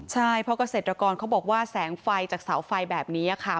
ใช่เพราะเกษตรกรเขาบอกว่าแสงไฟจากเสาไฟแบบนี้ค่ะ